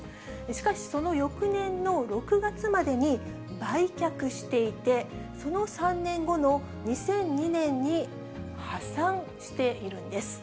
しかしその翌年の６月までに、売却していて、その３年後の２００２年に破産しているんです。